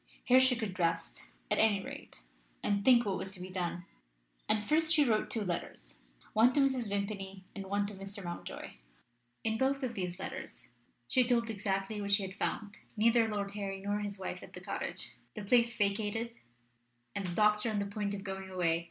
Here she could rest, at any rate, and think what was to be done. And first she wrote two letters one to Mrs. Vimpany and one to Mr. Mountjoy. In both of these letters she told exactly what she had found: neither Lord Harry nor his wife at the cottage, the place vacated, and the doctor on the point of going away.